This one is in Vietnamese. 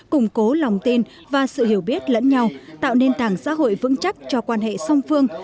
củng cố lòng tin và sự hiểu biết lẫn nhau tạo nền tảng xã hội vững chắc cho quan hệ song phương